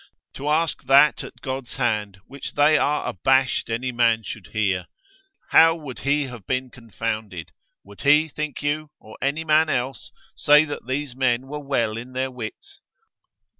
to ask that at God's hand which they are abashed any man should hear: How would he have been confounded? Would he, think you, or any man else, say that these men were well in their wits?